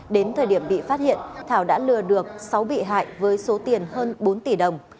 đến thời điểm bị phát hiện thảo đã lừa được sáu bị hại với số tiền hơn bốn tỷ đồng